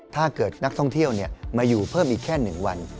ถ้าเกิดนักท่องเที่ยวมาอยู่เพิ่มอีกแค่๑วัน